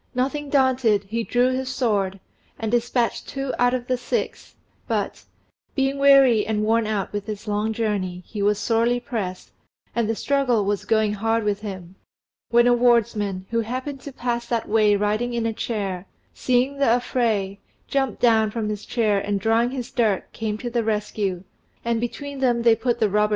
Nothing daunted, he drew his sword, and dispatched two out of the six; but, being weary and worn out with his long journey, he was sorely pressed, and the struggle was going hard with him, when a wardsman, who happened to pass that way riding in a chair, seeing the affray, jumped down from his chair and drawing his dirk came to the rescue, and between them they put the robbers to flight.